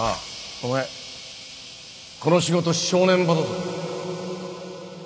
お前この仕事正念場だぞ。